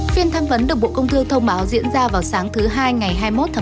phiên tham vấn được bộ công thương thông báo diễn ra vào sáng thứ hai ngày hai mươi một tháng một mươi